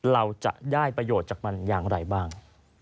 เราจะได้ประโยชน์จากมันอย่างไรบ้าง